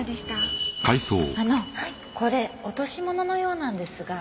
あのこれ落とし物のようなんですが。